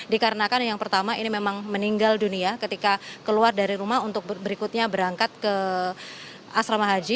dikarenakan yang pertama ini memang meninggal dunia ketika keluar dari rumah untuk berikutnya berangkat ke asrama haji